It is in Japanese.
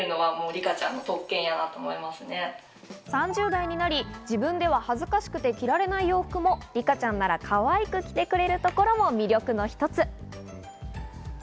３０代になり、自分では恥ずかしくて着られない洋服もリカちゃんならかわいく着てくれるところも魅力の一つ。